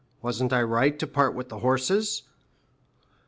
Wasn't I right to part with the horses?"